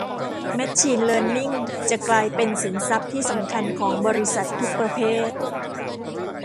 แมชชีนเลิร์นนิ่งจะกลายเป็นสินทรัพย์ที่สำคัญของบริษัททุกประเภท